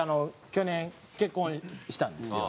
去年結婚したんですよ。